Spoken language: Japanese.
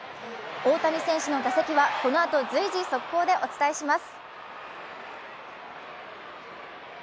大谷選手の打席はこのあと随時、速報でお伝えします。